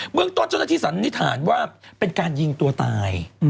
เมืองต้นเจ้าหน้าที่สันนิษฐานว่าเป็นการยิงตัวตาย